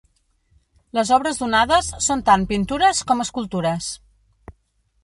Les obres donades són tant pintures com escultures.